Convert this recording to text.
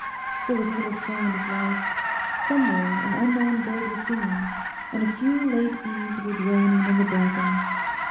There was little sound of life; somewhere an unknown bird was singing, and a few late bees were droning in the bracken.